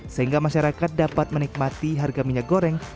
sehingga masyarakat dapat menikmati harga minyak goreng